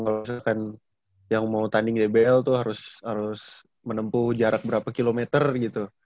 kalau misalkan yang mau tanding gbl tuh harus menempuh jarak berapa kilometer gitu